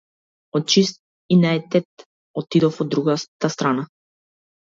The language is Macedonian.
Од чист инатет отидов од другата страна.